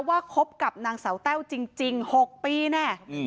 ว่าเกิดก็จะเจอกับสาวเต้ลจริง๖ปีแน่